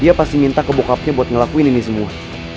dia pasti minta ke bockupnya buat ngelakuin ini semua